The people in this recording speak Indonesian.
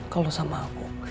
kalau sama aku